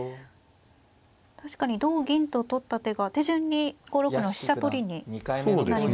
確かに同銀と取った手が手順に５六の飛車取りになりますね。